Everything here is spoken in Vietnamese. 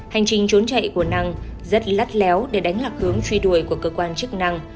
hành trình trốn chạy của năng rất lắt léo để đánh lạc hướng truy đuổi của cơ quan chức năng